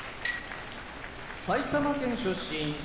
埼玉県出身